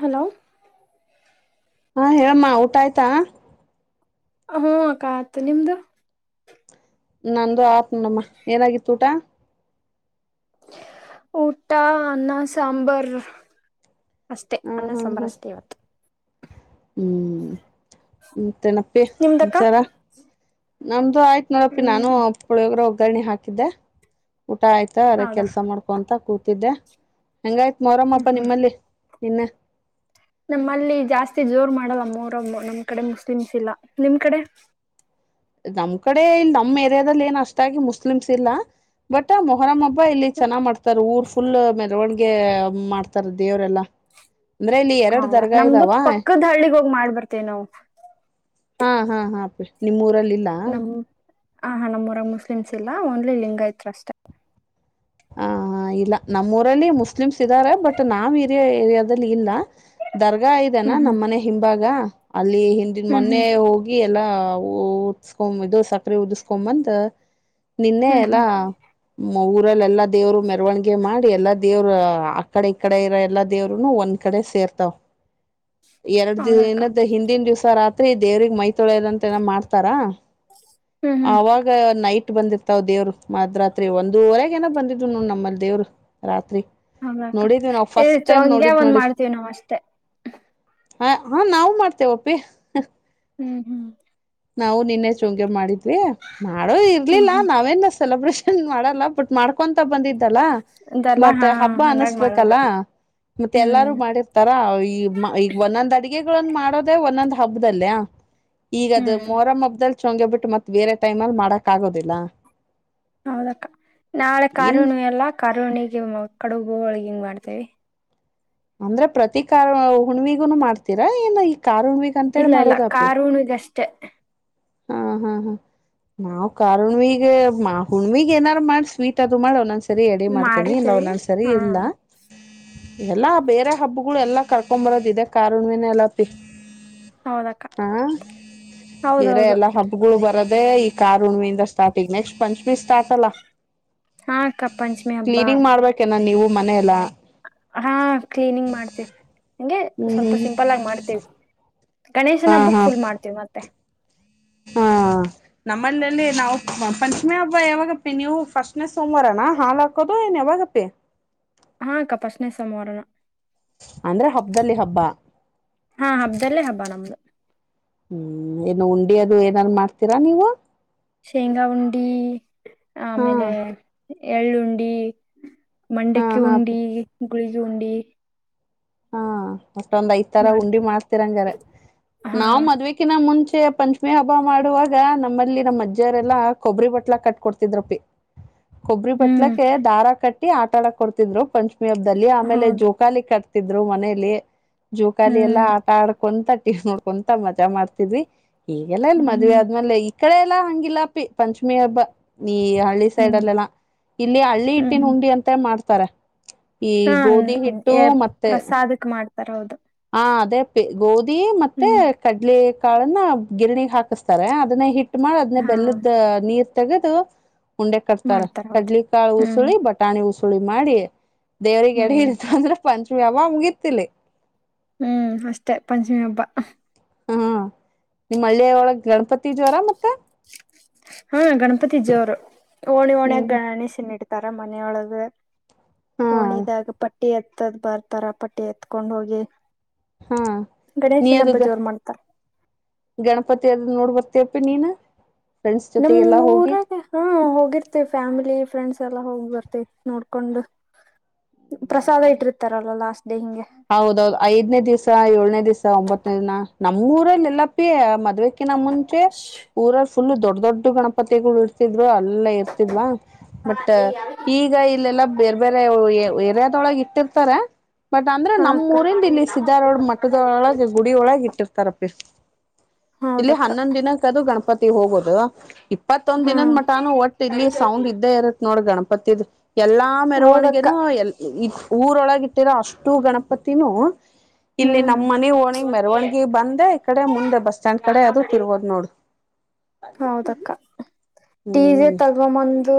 Hello ಹಾ ಹೇಳಮ್ಮ ಊಟ ಆಯ್ತಾ. ಹ್ಮ್ ಅಕ್ಕ ಆತು ನಿಮ್ದು. ನಂದು ಆತ್ ನೊಡಮ್ಮ ಏನಾಗಿತ್ತು ಊಟ. ಊಟಾ ಆನ್ನ ಸಾಂಬರ್. ಅಷ್ಟೇ ಹಾ ಅನ್ನ ಸಂಬರಷ್ಟೇ ಇವತ್ತು ಹ್ಮಞ ಮತೆನಪ್ಪಿ ನಿಮ್ದಕ್ಕ ವಿಚಾರಾ ನಮ್ಮ ದು ಆಯ್ತು ನೋಡಪಿ ನಾನು ಹ್ಮ್ ಪುಳಿಯೋಗರಣಿ ಒಗ್ಗರ್ರಣಿ ಹಾಕಿದ್ದೆ ಊಟ ಆಯ್ತಾ ಅದ ಹೌದಾ ಕೆಲ್ಸ ಮಾಡ್ಕೊಂತ ಕೂತಿದ್ದೆ ಹೆಂಗಾಯ್ತ್ ಮೊರಮ್ಮಪ್ಪ ನಿಮ್ಮಲ್ಲಿ ಇನ್ನ ನಮ್ಮಲ್ಲಿ ಜಾಸ್ತಿ ಜೋರ್ ಮಾಡಲ್ಲ ಮ್ಮೊಹರಮ್ಮ ನಮ್ ಕಡೆ ಮುಸ್ಲಿಮ್ಸ್ ಇಲ್ಲ ನಿಮ್ ಕಡೆ ಹ ನಮ್ ಕಡೆ ಇಲ್ಲಿ ನಮ್ಮ್ ಏರಿಯಾದಲ್ಲಿ ಏನು ಅಷ್ಟಾಗಿ ಮುಸ್ಲಿಮ್ಸ್ ಇಲ್ಲ ಬಟ್ ಮೊಹರಂ ಹಬ್ಬಾ ಇಲ್ಲಿ ಚೆನ್ನಾಗ್ ಮಾಡ್ತಾರ ಊರ್ ಫುಲ್ ಮೆರವಣಿಗೆ ಮಾಡ್ತಾರ ದೇವರೆಲ್ಲಾ ಹೌದಾ ನಮ್ದು ಪಕ್ಕದ ಹಳ್ಳಿಗ್ ಹೋಗ್ ಮಾಡಿ ಬರ್ತೇವ ನಾವು ಹಾ ಹಾ ಹಾ ಪಷ ನಿಮ್ಮ ಊರಲ್ಲಿಲ್ಲಾ ಹ ಹಾ ನಮ್ಮೂರಲ್ಲಿ ಮುಸ್ಲಿಮ್ಸ್ ಇಲ್ಲಾ ಓನಲಿ ಲಿಂಗಾಯತ್ ಅಷ್ಟೇ ಹಾ ಇಲ್ಲ ನಮ್ಮ್ ಊರಲ್ಲಿ ಮುಸ್ಲಿಮ್ಸ್ ಇದಾರೆ ಬಟ್ ನಾವ ಇರಯ ಏರಿಯಾದಲ್ಲಿ ಇಲ್ಲಾ ದ ಆ ಇದಾನ ಹ್ಮ್ ಹ್ಮ್ ನಮ್ಮ್ ಮನೆ ಹಿಂಭಾಗ ಅಲ್ಲಿ ಹಿಂದಿನ ಹ್ಮ್ ಮೊನ್ನೆ ಹ್ಮ್ ಹೋಗಿ ಎಲ್ಲಾ ಉದಸ್ಕೊ ಇದು ಸಕ್ಕರೆೆ ಉದಿಸಕೊ ಬಂದ ನಿನ್ನೆ ಹ್ಮ್ ಹ್ಮ್ ಎಲ್ಲಾ ಮು ಎಲ್ಲಾ ದೇವ್ರು ಮೆರವಣಿಗೆ ಮಾಡಿ ಎಲ್ಲಾ ದೇವರು ಆ ಕಡೆ ಈ ಕಡೆ ಇರೋ ಎಲ್ಲಾ ದೇವರು ಒಂದ್ ಕಡೆ ಸೇರಿ ಇರ್ತಾವ ಎರಡ್ ಹೌದಕ್ಕ ದಿನದ ಹಿಂದಿನ ದಿವ್ಸ ರಾತ್ರಿ ದೇವ್ರಿಗೆ ಮೈ ತೊಳದಂತ ಏನ ಮಾಡ್ತಾರಾ ಹ್ಮ್ ಹ್ಮ್ ಅವಾಗ ನೈಟ್ ಇ ಬಂದಿರ್ತಾವ್ ದೇವ್ರು ಮದ್ಯ ರಾತ್ರಿ ಒಂದೂವರೆಗೆ ಏನೋ ಬಂದಿದ್ ನಮ್ಮಲ್ಲಿ ದೇವರು ರಾತ್ರಿ ಹೌದಾಕ್ಕ ನೋಡಿದ್ವಿ ನಾವ್ ಈ ಫಸ್ಟ್ ಟೈಮ್ ಚೋಂಗ್ಯ ನೋಡಿದ್ ಒಂದ್ ನೋಡಿ ಮಾಡ್ತೀವಿ ನಾವ್ ಅಷ್ಟೇ ಹ ಹಾ ನಾವು ಮಾಡ್ತೇವಪ್ಪಿ ಹ್ಮ್ ಹ್ಮ್ ನಾವು ನಿನ್ನೆ ಚುಂಗ್ಯ ಮಾಡಿದ್ವಿ ಮಾಡೋದು ಹ್ಮ್ ಇರ್ಲಿಲ್ಲ ಹ್ಮ್ ನಾವೇನ್ ಸೆಲೆಬ್ರೇಷನ್ ಮಾಡಲ್ಲ ಬಟ್ ಮಾಡ್ಕೊಂತ ಬಂದಿದ್ದು ಲ್ಲ ಇದೆಲ್ಲಾ ಮತ್ತೆ ಹಾ ಹಬ್ಬ ಹಂಗಾಗಿ ಅನಸ್ಬೇಕಲ್ಲ ಮಾಡೋದು ಮತ್ತೆ ಹ್ಮ್ ಎಲ್ಲಾರು ಮಾಡಿರ್ತಾರ ಈ ಈಗ ಒಂದೊಂದ ಅಡಿಗೆ ಮಾಡೋದೇ ಒಂದೊಂದ್ ಹಬ್ಬದಲ್ಲಯ ಹ್ಮ್ ಮೊರಂ ಹಬ್ದಲ್ ಚೋಂಗಿ ಬಿಟ್ಟು ಮತ್ತತ್ ಬೇರೆ ಟೈಮ್ ಅಲ್ಲಿ ಮಾಡಕ್ ಆಗೋದಿಲ್ಲ ಹೌದಕ್ಕ ನಾಳೆ ಇನ್ ಕಾರಹುಣಿವೆ ಅಲ್ಲಾ ಕಾರ ಹುಣ್ಣಿಮೆಯ ಕಡಬು ಹೋಳಿಗಿ ಹೆಂಗ್ ಮಾಡ್ತೇವಿ ಅಂದ್ರೆ ಪ್ರತೀಕಾರಹುಣವಿಗುನು ಮಾಡ್ತೀರಾ ಏನು ಈ ಕಾರಹುಣವಿಗಿ ಅಂತೇಳಿ ಮಾಡೋದಪ್ಪಿ ಅಷ್ಟೆ ಹಾ ಹಾ ಹಾ ನಾವ್ ಕಾರುಣ್ವಗ್ ಹುಣವಿಗ್ ಏನಾರು ಮಾಡ್ ಸ್ವೀಟ್ ಅದು ಮಾಡಿ ಒಂದಸ ಸರಿ ಎಡಿ ಮಾಡ್ತೇನೆ ಇಲ್ಲ ಮಾಡಿರ್ತೀವಿ ನು ಸರಿ ಹಾ ಇಲ್ಲಾ ಎಲ್ಲಾ ಬೇರೆ ಹಬ್ಬ ಎಲ್ಲಾ ಕರ್ಕೊಂಡ್ ಬರದ ಇದೆ ಕಾರಹುಣವೇ ಎಲ್ಲ ಅಪಿ ಹೌದಕ್ಕ ಹಾ ಬೇರೆ ಹೌದೌದು ಎಲ್ಲಾ ಹಬ್ಬಗಳು ಬರೋದು ಅದೇ ಈ ಕಾರುಣವಿಯಿಂದ ಸ್ಟಾರ್ಟ್ ಈ ನೆಕಸ್ಟ ಪಂಚಮಿ ಸ್ಟಾರ್ ಅಲ್ಲಾ ಹಾ ಅಕ್ಕ ಪಂಚಮಿ ಹಬ್ಬ ಕ್ಲೀನಿಂಗ್ ಮಾಡ್ಬೇಕೇನ ನೀವು ಮನೆಎಲ್ಲಾ ಹಾ ಕ್ಲೀನಿಂಗ್ ಮಾಡ್ತೀವಿ ಹಂಗೆ ಹ್ಮ್ ಸ್ವಲ್ಪ ಹ್ಮ್ ಸಿಂಪಲ್ ಆಗಿ ಮಾಡ್ತೇವಿ ಗಣೇಶನ ಹಾ ಹಬ್ಬಕ್ ಹಾ ಫುಲ್ ಮಾಡ್ತೀವಿ ಮತ್ತೆ ಹಾ ಹ ನಮ್ಮಲ್ಲಲ್ಲಿ ನಾವು ಪಂಚಮಿ ಹಬ್ಬ ಯಾವಾಗಪ್ಪಿ ನೀವು ಫಸ್ಟ್ ನೆ ಸೋಮವಾರ ನಾ ಹಾಲ ಹಾಕೋದ ಕದ ನವ ಗಪ್ಪೆ ಹಾ ಅಕ್ಕ ಪಶ್ಟನೇ ಸೋಮವಾರನ ಅಂದ್ರೆ ಹಬ್ಬದಲ್ಲಿ ಹಬ್ಬ ಹಾ ಹಬ್ಬದಲ್ಲೇ ಹಬ್ಬ ನಮ್ದು ಹ್ಮ್ ಏನು ಉಂಡಿ ಅದು ಏನಾದಾರು ಮಾಡ್ತೀರಾ ನೀವು ಶೇಂಗಾ ಉಂಡಿ ಹಾ ಆಮೇಲೆ ಎಳ್ಳುಂಡಿ ಹಾ ಮಂಡಕ್ಕಿ ಹಾ ಉಂಡಿ ಗುಳಿಗೆ ಉಂಡಿ ಹಾ ಅಷ್ಟೊಂದ್ ಐದ್ ತರ ಉಂಡಿ ಮಾಡ್ತಿವಿ ಮಾಡಸ್ತಿರಂಗಾರೆ ಹಾ ನಾವ್ ಮದ್ವಿಕಿನ ಮುಂಚೆ ಪಂಚಮಿ ಹಬ್ಬ ಮಾಡುವಾಗ ನಮ್ಮಲ್ಲಿ ನಮ್ಮ್ ಅಜ್ಜವರೆಲ್ಲಾ ಕೊಬ್ಬರಿ ಬಟ್ಲಾ ಕಟ್ಕೊಡ್ತಿದ್ರಪ್ಪಿ [inaudible] ಕೊಬ್ಬರಿ ಹ್ಮ್ ಬಟ್ಲಕ್ಕೆ ದಾರ ಕಟ್ಟಿ ಆಟಾಡ ಕೊಡ್ತಿದ್ರು ಪಂಚ್ಮಿ ಹಬ್ಬದಲ್ಲಿ ಆಮೇಲೆ ಹೌದು ಜೋಕಾಲಿ ಕಟ್ ದ್ರು ಮನೇಲಿ ಜೂಕಾಲಿ ಹ್ಮ್ ಎಲ್ಲಾ ಆಟ ಆಡ್ ಕುಂತ ಟಿ ವಿ ನೋಡ್ಕೊಂತಾ ಮಜಾ ಮಾಡ್ತಿದ್ವಿ ಈಗೆಲ್ಲಾ ಇಲ್ಲಿ ಹ್ಮ್ ಮದ್ವೆ ಆದ್ಮೇಲೆ ಕಡೆ ಎಲ್ಲಾ ಹಂಗಿಲ್ಲಪ್ಪಿ ಪಂಚಮಿ ಹಬ್ಬ ನೀ ಹಳ್ಳಿ ಸೈಡ್ ಹ್ಮ್ ಅಲ್ಲೆಲ್ಲಾ ಇಲ್ಲಿ ಹಳ್ಳಿ ಹಿಟ್ಟಿನ ಹ್ಮ್ ಉಂಡಿ ಅಂತ ಮಾಡ್ತಾರ ಈ ಹಾ ಗೋಧಿ ಹಿಟ್ಟು ಏ, ಮತ್ ಪ್ರಸಾದಕ್ ಮಾಡ್ತಾರೆ ಹೌದು ಹ ಅದೇ ಪ್ಪಿ ಗೋಧಿ ಮತ್ತೆ ಹ್ಮ್ ಕಡ್ಲೆ ಕಾಳನ್ನ ಗಿರಣಿ ಹಾಕಿಸ್ತಾರೆ ಅದನ್ನ ಹಿಟ್ ಮಾಡ್ ಅದ್ನ್ನೇ ಹಾ ಬೆಲ್ಲದ ನೀರ್ ತೆಗೆದು ಉಂಡೆ ಕಟ್ತಾರ ಮಾಡ್ತಾರ ಹೌದು ಕಡ್ಲಿಕಾಳ ಹ್ಮ್ ಉಸುಳಿ ಬಟಾಣಿ ಉಸುಳಿ ಮಾಡಿ ದೇವ್ರರಿಗೆಡೆ ಹ್ಮ್ ಇಡ್ತ ಅಂದ್ರೆ ಪಂಚಮಿ ಹಬ್ಬ ಮುಗಿತ್ ಇಲ್ಲಿ ಹ್ಮ್ ಅಷ್ಟೇ ಪಂಚಮಿ ಹಬ್ಬ ಹಾ ನಿಮ್ಮ ಹಳ್ಳಿಯ ಒಳಗ್ ಗಣಪತಿ ಜೋರ ಮತ್ತೆ ಹಾ ಗಣಪತಿ ಜೋರು ಓಣಿ ಹ್ಮ್ ಓಣಿ ಹ್ಮ್ ಗಣೇಶನ್ ಇಡ್ತ ತರ ಮನೆಯೊಳಗೆ ಹಾ ಕೋಣಿದಾಗ ಪಟ್ ಪಟ್ಟಿ ಎತ್ತದ್ ಬರ್ತಾರ ಪಟ್ಟಿ ಎತ್ಕೊಂಡ್ ಹೋಗಿ ಹಾ ನೀ ಗಣೇಶನ ಅದು ಹಬ್ಬ ಗ ಜೋರು ಮಾಡ್ತಾರ್ ಗಣಪತಿ ಅದ ನೋಡ್ ಬರ್ತಯ ಪಿ ನೀನ್ ಫ್ರೆಂಡ್ಸ್ ನಮ್ ಜೊತೆಗೆಲ್ಲಾ ಹೋಗಿ ಊರಾಗ ಹಾ ಹೋಗಿರ್ತಿವಿ ಫ್ಯಾಮಿಲಿ ಫ್ರೆಂಡ್ಸ್ಯಲ್ ಎಲ್ಲ ಹೋಗ್ ಬರ್ತಿ ನೋಡ್ಕೊಂಡು ಪ್ರಸಾದ ಇಟ್ಟಿರ್ತಾರಲ್ಲ ಲಾಸ್ಟ್ ಡೇ ಹಿಂಗೆ ಹೌದೌದು ಐದನೇ ದಿಸ ಏಳನೇ ದಿಸ ಒಂಬತ್ತನೇ ದಿನ ನಮ್ ನಮ್ ಊರಲ್ಲಿ ಇಲ್ಲ ಪಿ ಮದ್ವೆಕಿನ ಮುಂಚೆ ಊರ ಫುಲ್ ದೊಡ್ ದೊಡ್ಡ ಗಣಪತಿಗಳು ಇಡ್ತಿದ್ರು ಅಲ್ಲ ಇರ್ತಿದ್ವಾ ಬಟ್ ಈಗ ಇಲ್ಲೆಲ್ಲ ಬೇರೆ ಬೇರೆ ಒಳಗ್ ಇಟ್ಟಿರ್ತಾರ ಬಟ್ ಅಂದ್ರೆ ಹಾ ನಮ್ಮ್ ಊರಿಂದ ಇಲ್ಲಿ ಸಿದ್ದ ರೋಡ್ ಅಕ್ಕ ಮಟ್ಟದೊಳಗ ಗುಡಿ ಒಳಗ ಇಟ್ಟಿರ್ತಾರಪ್ಪಿ ಇಲ್ಲಿ ಹೌದಕ್ಕ ಹನ್ನೊಂದ್ ದಿನಕ್ಕದು ಗಣಪತಿ ಹೋಗೋದ ಇಪ್ಪತ್ತೊಂದ ದಿನದ ಹ್ಮ್ ಮಟಾನು ಒಟ್ಟ ಇಲ್ಲಿ ಸೌಂಡ್ ಇದ್ದೇ ಇರತ್ತತ್ ನೋಡ ಗಣಪತಿದು ಎಲ್ಲಾ ಹೌದಕ್ಕ ಮೆರವಣಿಗೆನೂ ಎಲ್ ಊರೊಳಗ ಇಟ್ಟಿರೋ ಅಷ್ಟು ಗಣಪತಿನೂ ಇಲ್ಲಿ ಹ್ಮ್ ನಮ್ಮ ಮನ ಓಣಿಗೆ ಮೆರವಣಗಿ ಬಂದೆ ಈ ಕಡೆ ಮುಂದೆ ಬಸ್ ಸ್ಟ್ಯಾಂಡ್ ಕಡೆ ಅದು ತಿರ್ಗೋದು ನೋಡು ಹೌದಕ್ಕ ಡೀಜೆ ಹ್ಮ್ ತಗೊ ಬಂದು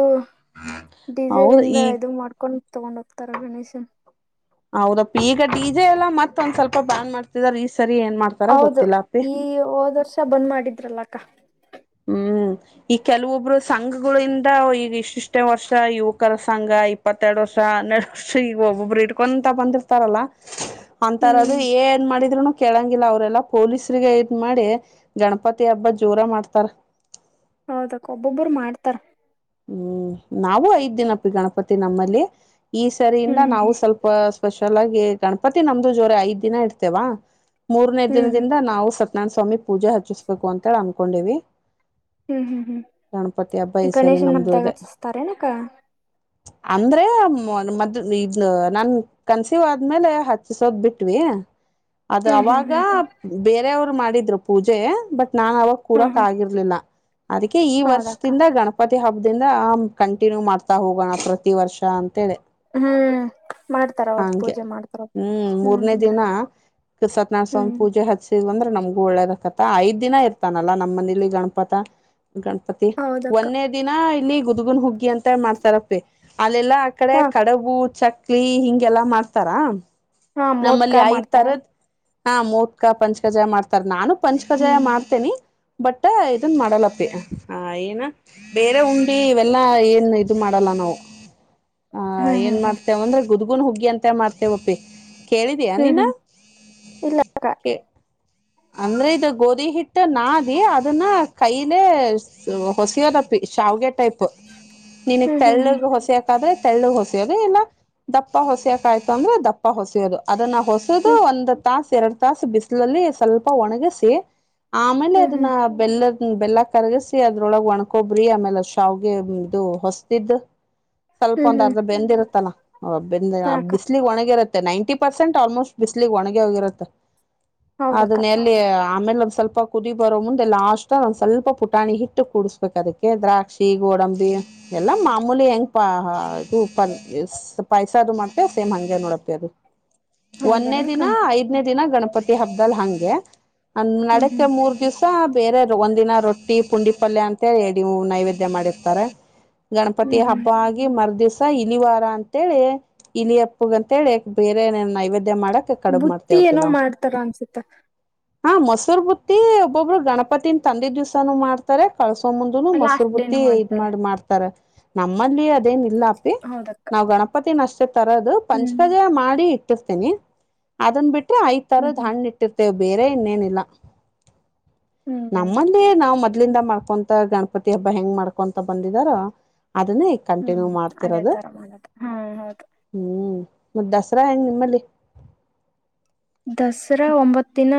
ಡೀಜೆ ಹೌದು ಈ ದಿಂದ ಇದು ಮಾಡ್ಕೊಂಡ ತಗೊಂಡ ಹೋಗ್ತಾರಲ್ಲ ಗಣೇಶ ಹೌದಪ್ಪಿ ಈಗ ಡಿಜೆ ಎಲ್ಲ ಮತ್ತೊಂದ್ ಸ್ವಲ್ಪ ಬ್ಯಾನ್ ಮಾಡ್ತಿದರೆ ಹೌದು ಈ ಹೋದ್ ವರ್ಷ ಬಂದ್ ಮಾಡಿದ್ರಲ್ಲ ಅಕ್ಕ ಹ್ಮ್ ಈ ಕೆಲವೊಬ್ಬರು ಸಂಘಗಳಿಂದ ಈಗ ಇಷ್ಟಿಷ್ಟೇ ವರ್ಷ ಯುವಕರ ಸಂಘ ಇಪ್ಪತ್ತೆರಡು ವರ್ಷ ಹಾ [unintelligible] ಒಬ್ಬೊಬ್ರು ಇಟ್ಕೊಂತ ಬಂದಿರ್ತಾರಲ್ಲ ಅಂತಾರದು ಹ್ಮ್ ಏನ್ ಮಾಡಿದ್ರುನು ಕೆಳಂಗ್ ಲ್ಲ ಅವ್ರಲ್ಲಾ ಪೊಲೀಸರಿಗೆ ಇದ್ ಮಾಡಿ ಗಣಪತಿ ಹಬ್ಬ ಜೋರ ಮಾಡ್ತಾರ ಹೌದಕ್ ಒಬ್ಬೊಬ್ಬರು ಮಾಡ್ತಾರ್ ಹ್ಮ್ ನಾವ ಐದ್ ದಿನ ಪಿ ಗಣಪತಿ ನಮ್ಮಲ್ಲಿ ಈ ಸರಿಯಿಂದ ಹ್ಮ್ ನಾವು ಸ್ವಲ್ಪ ಸ್ಪೆಷಲ್ ಆಗಿ ಗಣಪತಿ ನಮ್ದು ಜೋರ ಐದ್ ದಿನ ಇಡ್ತೇವಾ ಮೂರನೇ ಹ್ಮ್ ದಿನದಿಂದ ನಾವು ಸತ್ಯನಾರಾಯಣ ಸ್ವಾಮಿ ಪೂಜೆ ಹಚ್ಚಿಸ್ಬೇಕು ಅಂತ ಅನ್ಕೊಂಡಿವಿ ಹ್ಮ್ ಹ್ಮ್ ಗಣಪತಿ ಹಬ್ಬ ಹ್ಮ್ ಈ ಸರಿ ಗಣೇಶನ ನಮ್ದು ಹಬ್ದಾಗ ಇದೆ ಹಚ್ಚೋಸ್ತಾರೇನಾಕ್ಕ ಅಂದ್ರೆ ಮದ್ ಇದ ನನ್ ಕನ್ಸಿವ್ ಆದ್ಮೇಲೆ ಹಚ್ಚಿಸೋದ್ ಬಿಟ್ವಿ ಅದ ಹ್ಮ್ ಹ್ಮ್ ಅವಾಗ ಹ್ಮ್ ಹ್ಮ್ ಬೇರವ್ರು ಮಾಡಿದ್ರು ಪೂಜೆ ಬಟ್ ನಾ ಅವಾಗ ಹ್ಮ್ ಕೂರಕ್ ಹ್ಮ್ ಆಗಿರ್ಲಿಲ್ಲ ಅದಕ್ಕೆ ಈ ಹೌದಕ್ಕ ವರ್ಷದಿಂದ ಗಣಪ ಪ್ರತಿ ಹಬ್ಬದಿಂದ ಕಂಟಿನ್ಯೂ ಮಾಡ್ತಾ ಹೋಗೋಣ ಪ್ರತಿ ವರ್ಷ ಅಂತೇಳಿ ಹ್ಮ್ ಮಾಡ್ತಾರ ಹೌದು ಹಂಗೆ ಪೂಜೆ ಮಾಡ್ತಾರ ಹ್ಮ್ ಮೂರನೇ ದಿನ ಸತ್ಯನಾರಾಯಣ ಸ್ವಾಮಿ ಹ್ಮ್ ಪೂಜೆ ಹಚ್ಚಸಿವಂದ್ರ ನಮ್ಗು ಒಳ್ಳೇದಕತ ಐದ್ ದಿನ ಇರ್ತಾನಲ್ಲಾ ನಮ್ಮ ಮನಲಿ ಗಣಪತ ಗಣಪತಿ ಹೌದಕ್ಕ ಒನ್ನೆ ದಿನ ಇಲ್ಲಿ ಗುದ್ಗುನ್ ಹುಗ್ಗಿ ಅಂತ ಮಾಡ್ತಾರಪ್ಪಿ ಅಲ್ಲೆಲ್ಲಾ ಆ ಕಡೆ ಹಾ ಅಕ್ಕ ಕಡಬು ಚಕ್ಲಿ ಹಿಂಗೆಲ್ಲಾ ಮಾಡ್ತಾರಾ ಹಾ ಮೋದ್ಕ ನಮ್ಮಲ್ಲಿ ಐದ್ ಮಾಡ್ತಾರ ತರದ ಹಾ ಮೋದಕ ಪಂಚ ಕಜಾಯ ಮಾಡ್ತಾರ ನಾನು ಪಂಚ ಕಜಾಯ ಹ್ಮ್ ಮಾಡ್ತಿನಿ ಬಟ್ ಇದನ್ ಮಾಡಲ್ಲಪ್ಪಿ ಆ ಏನ ಬೇರೆ ಉಂಡಿ ಇವೆಲ್ಲಾ ಏನ್ ಇದು ಮಾಡಲ್ಲ ನಾವು ಹ ಹ್ಮ್ ಏನ್ ಹ್ಮ್ ಹ್ಮ್ ಮಾಡ್ತೇವಂದ್ರ ಗುದ್ಗುನ್ ಹುಗ್ಗಿ ಅಂತ ಮಾಡ್ತೇವಪ್ಪಿ ಕೇಳಿದಯ ಹ್ಮ್ ನೀನ್ನ ಹ್ಮ್ ಇಲ್ಲ ಅಕ್ಕ ಕೇ ಅಂದ್ರೆ ಇದು ಗೋಧಿ ಹಿಟ್ಟು ನಾದಿ ಅದನ್ನ ಕೈಲೆ ಹೊಸಿಯೋದಪ್ಪಿ ಶಾವಗೆ ಟೈಪ್ ನಿನಗ್ ಹ್ಮ್ ಹ್ಮ್ ತಳ್ಳಗ್ ಹೊಸ ತೆಳ್ಳುಗ್ ಹೊಸಿಯೋದು ಇಲ್ಲಾ ದಪ್ಪ ಹೊಸಿಯಕ ಆಯ್ತು ಅಂದ್ರೆ ದಪ್ಪ ಹೊಸಿಯೋದು ಅದನ್ನ ಹೊಸದು ಹ್ಮ್ ಒಂದ್ ತಾಸ ಎರಡ್ ತಾಸ ಬಿಸಿಲಲ್ಲಿ ಸ್ವಲ್ಪ ಒಣಗಸಿ ಆಮೇಲೆ ಹ್ಮ್ ಅದನ್ನ ಹ್ಮ್ ಬೆಲ್ಲದ ಹ್ಮ ಬೆಲ್ಲ ಕರಗಸಿ ಅದ್ರೊಳಗ ಒಣ್ಕೊಬ್ರಿ ಆಮೇಲೆ ಶಾವ್ಗೆದು ಹೊಸ್ದಿದ್ದ ಸ್ವಲ್ಪ ಹ್ಮ್ ಹ್ಮ್ ಒಂದ ಹ್ಮ್ ಅರ್ಧ ಬೆಂದಿರುತ್ತಲ್ಲ ಬೆಂದ ಹಾ ಅಕ್ಕ ಬಿಸಲಗ್ ಒಣಗಿರತ್ತೆ ನೈಂಟಿ ಪರ್ಸೆಂಟ್ ಆಲ್ಮೋಸ್ಟ್ ಬಿಸಲಗ್ ಒಣಗೆ ಹೋಗಿರುತ್ತ ಹೌದಾ ಎಲ್ಲಿ ಆಮೇಲೆ ಒಂದ್ ಸ್ವಲ್ಪ ಕುದಿ ಬರೋ ಮುಂದ ಲಾಸ್ಟ್ ಒಂದ್ ಸ್ವಲ್ಪ ಪುಟಾಣಿ ಹಿಟ್ಟು ಕೂಡಸ್ಬೇಕು ಅದಕ್ಕೆ ದ್ರಾಕ್ಷಿ ಗೋಡಂಬಿ ಎಲ್ಲ ಮಾಮೂಲಿ ಹೆಂಗ್ ಇದು ಪೈಸ ಅದು ಮಾಡ್ತೆವ ಸೇಮ್ ಹಂಗೆ ನೋಡಪಿ ಅದು ಒನ್ನೆ ಹೌದನಕ್ಕ ದಿನ ಐದನೇ ದಿನ ಗಣಪತಿ ಹಬ್ಬದಲ್ ಹಂಗೆ ಅ ಹ್ಮ್ ನಡುಕ ಹ್ಮ್ ಮೂರ್ ದಿವ್ಸ ಬೇರೆವರ ಒಂದಿನ ರೊಟ್ಟಿ ಪುಂಡಿ ಪಲ್ಯ ಅಂತೇಳಿ ಎಡಿ ನೈವೇದ್ಯ ಮಾಡಿರ್ತಾರ ಗಣಪತಿ ಹ್ಮ್ ಹ್ಮ್ ಹಬ್ಬ ಆಗಿ ಮರದಿಸ ಇಲಿವಾರ ಅಂತೇಳಿ ಇಲಿಯಪ್ಪಗ ಅಂತೇಳಿ ಬೇರೆ ನೈವೇದ್ಯ ದೈ ಮಾಡಕ್ಕ ಕಡಬ್ ಬುತ್ತಿ ಮಾಡ್ತೇವಪ್ಪಿ ಏನೋ ನಾವು ಮಾಡ್ತಾರ ಅನ್ಸುತ್ತ ಹಾ ಮೊಸೂರು ಬುತ್ತಿ ಒಬ್ಬೊಬ್ರು ಗಣಪತಿನ ತಂದಿದ ದಿವ್ಸಾನು ಮಾಡ್ತಾರೆ ಕಳ್ಸ ಮುಂದನು ಮೊಸರು ಲಾಸ್ಟ್ ಡೇನು ಬುತ್ತಿ ಇದ್ ಮಾಡ್ತಾರೆ ಮಾಡ್ ಮಾಡ್ತಾರ ನಮ್ಮಲ್ಲಿ ಇದೇನ ಇಲ್ಲಾಪ್ಪಿ ಹೌದಕ್ಕ ನಾವ್ ಗಣಪತಿನ ಅಷ್ಟೇ ತರೋದು ಹ್ಮ್ ಪಂಚಕಜಾಯ ಮಾಡಿ ಇಟ್ಟರ್ತಿನಿ ಅದನ್ ಬಿಟ್ರೆ ಐದ್ ಹ್ಮ್ ತರದ ಹ್ಮ್ ಹಣ್ಣ ಇಟ್ಟಿರ್ತಿವೆ ಬೇರೆ ಇನ್ನೇನಿಲ್ಲ ಹ್ಮ್ ನಮ್ಮಲ್ಲಿ ನಾವು ಮತ್ತ ಮೂದಲಿಂದ ಮಾಡ್ಕೊಂತ ಗಣಪತಿ ಹಬ್ಬ ಹೆಂಗ್ ಮಾಡ್ಕೊಂತ ಬಂದಿದಾರ ಅದನ್ನೇ ಈಗ ಹ್ಮ್ ಕಂಟಿನ್ಯೂ ಅದೇ ಮಾಡ್ತಿರೋದು ತರ ಮಾಡದ ಹಾ ಹೌದು ಹ್ಮ್ ಮತ್ತ ದಸರಾ ಹೆಂಗ ನಿಮ್ಮಲ್ಲಿ ದಸರಾ ಒಂಬತ್ತ ದಿನ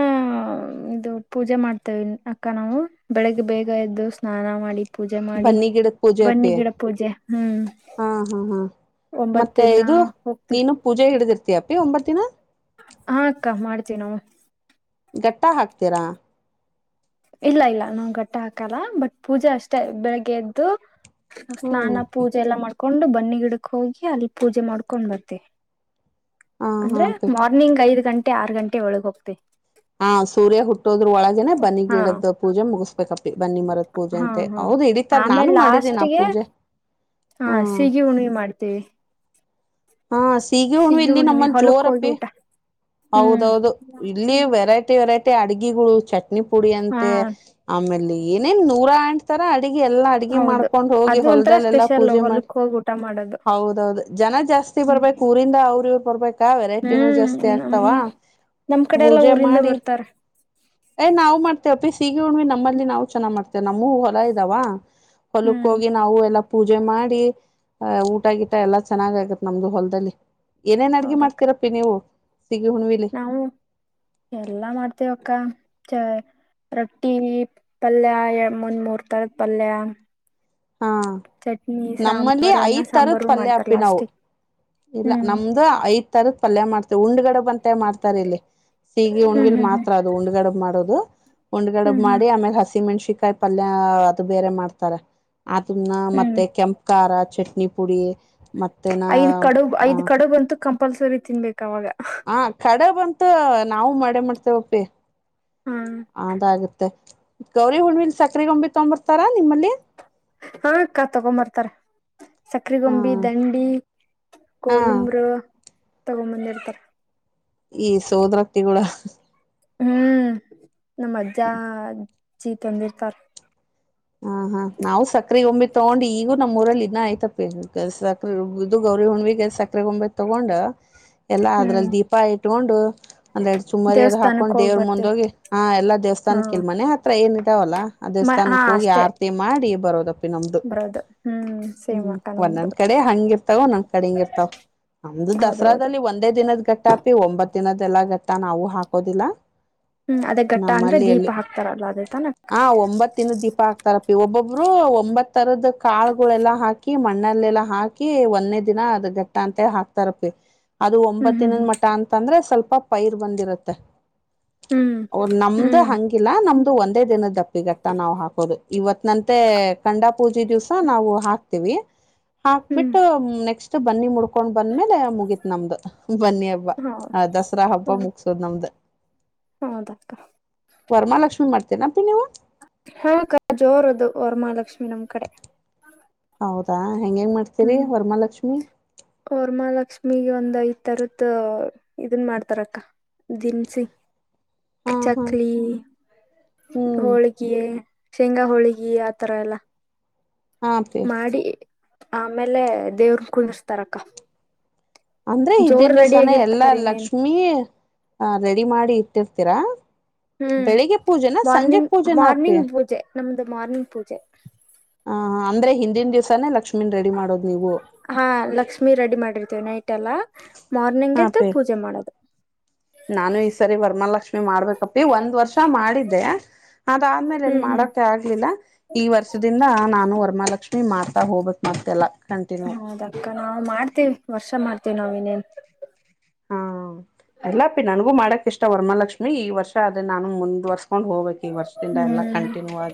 ಇದು ಪೂಜೆ ಮಾಡ್ತೇವೆ ಅಕ್ಕ ನಾವು ಬೆಳಗ್ಗೆ ಬೇಗ ಎದ್ದು ಸ್ನಾನ ಮಾಡಿ ಪೂಜೆ ಮಾಡಿ ಬನ್ನಿ ಗಿಡದ ಪೂಜೆ ಅಪ್ಪಿ ಬನ್ನಿ ಗಿಡ ಪೂಜೆ ಹ್ಮ್ ಹಾ ಹಾ ಹಾ ಒಂಬತ್ ಮತ್ತೆ ದಿನ ಇದು ಹೋಗ್ತಿವಿ ನೀನು ಪೂಜೆ ಹಿಡ್ದಿರ್ತಯಪಿ ಒಂಬತ್ ದಿನ ಹಾ ಅಕ್ಕ ಮಾಡ್ತೀವಿ ನಾವು ಘಟ್ಟ ಹಾಕ್ತೀರಾ ಇಲ್ಲ ಇಲ್ಲ ನಾವ ಗಟ್ಟ ಹಾಕಲ್ಲ ಬಟ್ ಪೂಜೆ ಅಷ್ಟೇ ಬೆಳಗ್ಗೆ ಎದ್ದು ಹ್ಮ್ ಸ್ನಾನ ಪೂಜೆ ಎಲ್ಲಾ ಮಾಡ್ಕೊಂಡು ಬನ್ನಿ ಗಿಡಕ್ ಹೋಗಿ ಅಲ್ಲಿ ಪೂಜೆ ಮಾಡ್ಕೊಂಡ್ ಬರ್ತವಿ ಹಾ ಹಾ ಅಂದ್ರೆ ಅಪ್ಪಿ ಮಾರ್ನಿಂಗ್ ಐದ್ ಗಂಟೆ ಆರ ಗಂಟೆ ಒಳಗ್ ಹೋಗ್ತಿವ ಹಾ ಸೂರ್ಯ ಹುಟ್ಟೋದ್ರ ಒಳಗೇನೆ ಬನ್ನಿ ಹಾ ಗಿಡದ್ ಪೂಜೆ ಮುಗಿಸಬೇಕಪ್ಪಿ ಬನ್ನಿ ಮರದ್ ಪೂಜೆ ಹಾ ಅಂತೆ ಹಾ ಹೌದು ಹಡಿತಾರ ನಾನು ಮಾಡಿದ್ದೀನ ಆ ಪೂಜೆ ಹಾ ಹ್ಮ್ ಸೀಗಿ ಉುಣವಿ ಮಾಡ್ತೇವಿ ಹಾ ಸೀಗ ಹಣ ಇಲ್ಲಿ ನಮ್ಮಲ್ಲಿ ಜೋರ ಹೊಲಕ್ ಹೋಗಿ ಅಪ್ಪಿ ಊಟ ಹ್ಮ್ ಹೌದೌದು ಇಲ್ಲಿ ವೆರೈಟಿ ವೆರೈಟಿ ಮ ಅಡ್ಗೆಗಳು ಚಟ್ನಿ ಪುಡಿ ಹಾ ಅಂತೆ ಆಮೇಲೆ ಏನೇನ್ ನೂರ ಆಂತರ ಅ ಎಲ್ಲ ಅಡಗೆ ಹೌದು ಮಾಡ್ಕೊಂಡು ಹೋಗಿ ಅದು ಒಂಥರ ಹೊಲಲ್ಲ ಎಲ್ಲಾ ಸ್ಪೆಷಲ್ ಪೂಜೆ ಮಾಡಿ ಹೊಲಕ್ ಹೋಗಿ ಊಟ ಮಾಡೋದು ಹೌದೌದು ಜನ ಜಾಸ್ತಿ ಬರ್ಬೇಕು ಊರಿಂದ ಅವ್ರರು ಇವ್ ಬರ್ಬೇಕು ವೆರೈಟಿನ ಹ್ಮ್ ಜಾಸ್ತಿ ನಮ್ ಆಗ್ತಾವ ನಮ್ ಕಡೆ ಎಲ್ಲಾ ಪೂಜೆ ಊರಿಂದ ಮಾಡಿ ಬರ್ತಾರೆ ಏ ನಾವವು ಮಾಡ್ತವಿ ಮತ್ತೆ ಒಪ್ಪಿ ಸೀಗಿ ಹುಣ್ವಿ ನಮ್ಮಲ್ಲಿ ನಾವು ಚೆನ್ನ ಮಾಡ್ವೆ ನಮ್ಮವು ಹೊಲ ಇದಾವ ಹೊಲಕ್ಕ ಹ್ಮ್ ಹೋಗಿ ನಾವು ಎಲ್ಲ ಪೂಜೆ ಮಾಡಿ ಅಹ ಊಟಗಿಟ ಎಲ್ಲಾ ಚೆನ್ನಾಗ ಆಗತ್ ನಮ್ದು ಹೊಲದಲ್ಲಿ ಏನೇನ್ ಅಡ್ಗೆ ಹೌದಕ್ಕ ಮಾಡ್ತಿೀರಪ್ಪಿ ನೀವು ಸಿಗಿ ಹುಣ್ವಿಲಿ ನಾವು ಎಲ್ಲಾ ಮಾಡ್ತೇವ ಅಕ್ಕ ಚ ರೊಟ್ಟಿ ಪಲ್ಯ ಎ ಮುಂದ ಮೂರ್ ತರದ ಪಲ್ಲ್ಲಯ ಹಾ ನಮ್ಮಲ್ಲಿ ಅನ್ನ ಐದ್ ತರದ ಸಾಂಬಾರು ಪಲ್ಯ ಮಾಡ್ತಾರ ಹಪ್ಪಿ ನಾವು ಲಾಸ್ಟಿಗೆ ಇಲ್ಲ ಹ್ಮ್ ನಮ್ದು ಐದ ತಾರಕ್ ಪಲ್ಯ ಮಾಡ್ತೇವಿ ಉಂಡ್ ಗಡಬ ಅಂತ ಮಾಡ್ತಾರೆ ಇಲ್ಲಿ ಸೀಗಿ ಹ್ಮ್ ಉಣ್ಲ್ ಹ್ಮ್ ಮಾತ್ರ ಅದು ಉಂಡ್ ಗಡಬ್ ಮಾಡೋುದು ಉಂಡ್ಗಡ ಹ್ಮ್ ಹ್ಮ್ ಹ್ಮ್ ಮಾಡಿ ಆಮೇಲೆ ಹಸಿಮೆಣಸಿಕಾಯಿ ಪಲ್ಯ ಅದು ಬೇರೆ ಮಾಡ್ತಾರೆ ಅದನ್ನ ಹ್ಮ್ ಮತ್ತುತ್ತೆ ಕೆಂಪು ಖಾರ ಚಟ್ನಿ ಪುಡಿ ಮತ್ತೆನ ಐದ್ ಕಡು ಆ ಐದ್ ಕಡುಬಂತೂ ಕಂಪಲ್ಸರಿ ತಿನ್ಬೇಕವಾಗ ಹ ಕಡೆ ಬಂತ ನಾವು ಮಾಡೆ ಮಾಡ್ತೇವಪ್ಪಿ ಹಾ ಅದಾಗತ್ತೆ ಗೌರಿ ಹುಣ್ಮಿಲಿ ಸಕ್ರೆ ಗಂಬಿ ತಗೊಂಡಂಬರ್ತಾರಾ ನಿಮ್ಮಲ್ಲಿ ಹಾ ಅಕ್ಕಾ ತಗೊಂಬರ್ತಾರ ಸಕ್ಕರೆೆ ಹ ಗೊಂಬಿ ದಂಡಿ ಹಾ ಕೋಲುಂಗ್ರ ತಗೊಂಬಂದಿರ್ತಾರ ಈ ಸೋದರತಿಿ ಕೂಡ ಹ್ಮ್ ನಮ್ಮ ಅಜ್ಜ ಅಜ್ಜಿ ತಂದಿರ್ತಾರ ಹಾ ಹಾ ನಾವು ಸಕ್ರೆ ಒಮ್ಮಿ ತಗೊಂಡ್ ಈಗೂ ನಮ್ಮ್ಊರಲ್ಲಿ ಇದವಿ ನಾ ಆಯ್ತಪ್ಪೇ ಸರೆ ಇದು ಗೌರಿ ಹುಣ್ವಿಗೆ ಸಕರೆ ಗೊಂಬೆ ತಗೊಂಡ ಎಲ್ಲಾ ಹ್ಮ್ ಅದ್ರಲ್ಲಿ ದೀಪ ಇಟ್ಕೊಂಡು ಅಂದ್ರೆರಡು ಸುಮ್ಮರಿ ಎ ಹಾಕೊಂಡು ದೇವಸ್ಥಾನಕ್ ಹೋಗ್ ದೇವ್ರು ಬರ್ತಿವಿ ಮುಂದೋಗಿ ಹಾ ಎಲ್ಲ ಹಾ ದೇವಸ್ಥಾನಕ್ಕ ಇಲ್ ಮನೆ ಹತ್ರ ಏನ ಇವಲ್ಲ ಅ ಮ ಹಾ ದೇವಸ್ಥಾನಕ್ಕೆ ಹೋಗಿ ಅಷ್ಟೇ ಆರ್ತಿ ಮಾಡಿ ಬರೋದ ಬರೋದು ಹ್ಮ್ ಸೇಮ್ ಹ್ಮ್ ಅಕ್ಕ ನಮ್ದು ಒಂದೊಂದ ಕಡೆ ಹಂಗಿರ್ತಾವ ಒಂದೊಂದ್ ಕಡೆ ಹಿಂಗ ಇರ್ತಾವ ನಮ್ದು ಹೌದೌದು ದಸರಾದಲ್ಲಿ ಒಂದೇ ದಿನದ್ ಘಟ್ಟಾಪಿ ಒಂಬತ್ ದಿನದ ಎಲ್ಲಾ ಘಟ್ಟ ನಾವವು ಹಾಕೋದಿಲ್ಲ ಹ್ಮ್ ಅದೇ ಘಟ್ಟ ಅಂದ್ರೆ ದೀಪ ನಮ್ಮಲ್ಲಿಯಲ್ಲಿ ಹಾಕ್ತಾರಲ್ಲ ಅದೇ ತಾನ ಅಕ್ಕ ಹ ಒಂಬತ್ತಿನ ದೀಪ ಹಾಕ್ತಾರ ಒಬ್ಬೊಬ್ರು ಒಂಬತ್ತ ತರದ ಕಾಳುಗಳೆಲ್ಲಾ ಹಾಕಿ ಹಾಕಿ ಮಣ್ಣಲ್ಲೆಲ್ಲಾ ಹಾಕಿ ಒಂದನೇ ದಿನ ಅದ್ ಘಟ್ಟ ಅಂತ ಹಾಕ್ತಾರಪಿ ಅದು ಹ್ಮ್ ಒಂಬತ್ ಹ್ಮ್ ದಿನದ ಮಠ ಅಂತಂದ್ರೆ ಸ್ವಲ್ಪ ಪೈರ್ ಬಂದಿರುತ್ತೆ ಹ್ಮ್ ಹ್ಮ್ ನಮ್ದ ಹ್ಮ್ ಹಂಗಿಲ್ಲಾ ನಮ್ದು ಒಂದೇ ದಿನದ ದಪ್ಪಿಗಟ್ಟ ನಾವ್ ಹಾಕ ಹೌದು ಇವತ್ ನಂತೆ ಡಾ ಪೂಜೆ ದಿವ್ಸ ನಾವು ಹಾಕ್ತಿೀವಿ ಹ್ಮ್ ಹಾಕ್ಬಿಟ್ಟು ನೆಕ್ಸ್ಟ್ ಬನ್ನಿ ಮುಡ್ಕ ಕಕೊಂಡ್ ಬಂದ್ಮೇಲೆ ಮುಗೀತ್ ನಮ್ದು ಬನ್ನಿ ಹಬ್ಬ ಹೌದ ಆ ದಸರಾ ಹಬ್ಬ ಹೌದು ಮುಗಸೋದ್ ನಮ್ದ ಹೌದಕ್ಕ ವರ್ಮಾಲಕ್ಷ್ಮಿ ಮಾಡ್ತೇನಪ್ಪಿ ನೀವು ಹಾ ಕ ಜೋರದು ವರ್ಮಾಲಕ್ಷ್ಮಿ ನಮ್ ಕಡೆ ಹೌದಾ ಹೆಂಗ ಹೆಂಗ ಮಾಡ್ತೀರಿ ಹ್ಮ್ ವರ್ಮಾಲಕ್ಷ್ಮಿ ಮೀಗ ಒಂದ್ ಐದ್ ತರತ್ ಇದನ್ ಮಾಡ್ತಾರಕ್ಕ ದನ್ಸಿ ಹಾ ಹಾ ಚಕ್ಲಿ ಹ್ಮ್ ಹೋಳ್ಗೆ ಶೇಂಗಾ ಹೋಳಗಿ ಆತರ ಎಲ್ಲ ಆಪಿ ಮಾಡಿ ಆಮೇಲೆ ದೇವ್ರನ್ ಕುುದರ್ಸ್ತಾರಕ್ಕ ಅಂದ್ರೆ ಇದಿನ ದಿವ್ಸಾನ ಎಲ್ಲಾ ಇನ್ನೇನು ಲಕ್ಷ್ಮೀ ಆ ರೆಡಿ ಮಾಡಿ ಇಟ್ಟಿರ್ತೀರಾ ಹ್ಮ್ ಬೆಳಿಗ್ಗೆ ಪೂಜೆನ ಸಂಜೆ ಮಾರ್ನಿಂಗ್ ಪೂಜೆನ ಅಪ್ಪಿ ಮಾರ್ನಿಂಗ್ ಪೂಜೆ ನಮ್ದು ಮಾರ್ನಿಂಗ್ ಪೂಜೆ. ಹ ಹ ಅಂದ್ರೆ ಹಿಂದಿನ ದಿವ್ಸನೆ ಲಕ್ಷ್ಮ ಹಾ ಲಕ್ಷ್ಮಿ ರೆಡಿ ಮಾಡಿರ್ತೇವಿ ನೈಟ್ ಎಲ್ಲ. ಹ ಅಪ್ಪಿ ನಾನು ಈ ಸರಿ ವರ್ಮಾಲಕ್ಷ್ಮಿ ಮಾಡ್ಬೇಕಪ್ಪಿ ಒಂದ್ ವರ್ಷ ಮಾಡಿದ್ದೆ ಅದಆದ್ಮೇಲೆ ಎಲ್ಲಿ ಹ್ಮ್ ಹ್ಮ್ ಮಾಡೋಕೆ ಆಗ್ಲಿಲ್ಲ ಈ ವರ್ಷದಿಂದ ನಾನು ವರಮಹಾಲಕ್ಷಿ ನೀ ಮಾತಾ ಹೋಗಬಕ್ ಮತ್ತೆಲ್ಲಾ ಹೌದಕ್ಕ ನಾವು ಮಾಡ್ತೇವಿ ವರ್ಷ ಮಾಡ್ತೇವಿ ನಾವ ಇನ್ನೇನ್ ಹಾ ಎಲ್ಲ ಅಪ್ಪಿ ನನ್ಗೂ ಮಾಡಕ್ ಇಷ್ಟ ವರಮಹಾಲಕ್ಷ್ಮಿ ಈ ವರ್ಷ ಅದೇ ನಾನು ಮುಂದ್ ವರ್ಸ ಕೊಂಡ್ ಹೋಗ್ಬೇಕ ಈ ವರ್ಷದಿಂದ ಎಲ್ಲ ಹ್ಮ್ ಕಂಟಿನ್ಯೂ ಆಗಿ